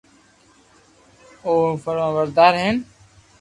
امي او فرمابردار ھين